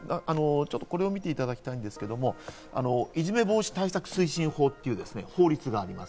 これを見ていただきたいんですが、いじめ防止対策推進法という法律があります。